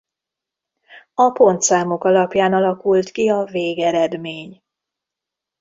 A pontszámok alapján alakult ki a végeredmény.